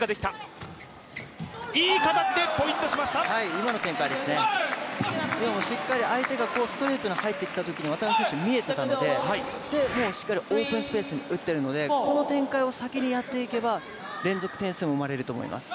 今の展開ですね、しっかり相手がストレートに入ってきたときに渡辺選手見えていたのでもうしっかりとオープンスペースに打っていますのでこの展開を先にやっていけば、連続点数も生まれると思います。